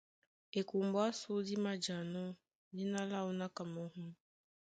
Ekombo ásū dí mājanɔ́ dína láō ná Kamerû.